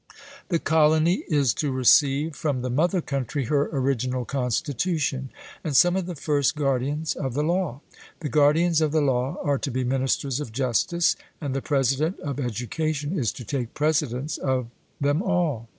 The colony is to receive from the mother country her original constitution, and some of the first guardians of the law. The guardians of the law are to be ministers of justice, and the president of education is to take precedence of them all.